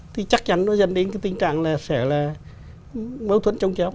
thì chắc chắn nó dẫn đến cái tình trạng là sẽ là mâu thuẫn trong chéo